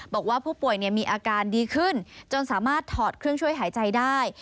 บอกว่าผู้ป่วยมีอาการดีขึ้นจนสามารถถอดเครื่องช่วยหายใจได้